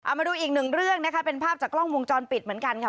มาดูอีกหนึ่งเรื่องนะคะเป็นภาพจากกล้องวงจรปิดเหมือนกันค่ะ